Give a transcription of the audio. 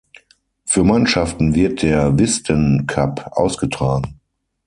Für Mannschaften wird der Wisden Cup ausgetragen.